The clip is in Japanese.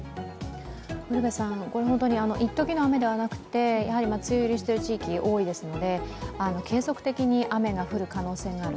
一時の雨ではなくて梅雨入りしている地域が多いですので、継続的に雨が降る可能性がある。